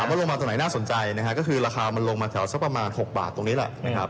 ว่าลงมาตรงไหนน่าสนใจนะฮะก็คือราคามันลงมาแถวสักประมาณ๖บาทตรงนี้แหละนะครับ